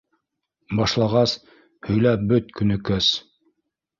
Башлағас, һөйләп бөт, Көнөкәс...